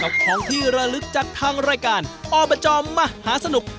ของที่ระลึกจากทางรายการอบจมหาสนุก